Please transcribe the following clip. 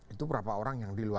itu berapa orang yang diluar